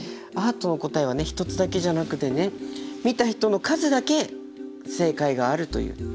アートの答えはね一つだけじゃなくてね見た人の数だけ正解があるという。